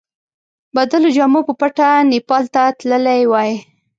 بدلو جامو په پټه نیپال ته تللی وای.